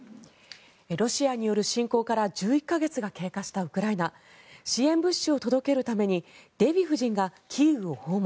ロシアによる侵攻から１１か月が経過したウクライナ。支援物資を届けるためにデヴィ夫人がキーウを訪問。